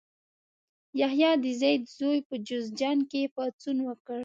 یحیی د زید زوی په جوزجان کې پاڅون وکړ.